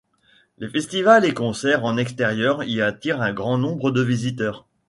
Les festivals et concerts en extérieurs y attirent un grand nombre de visiteurs.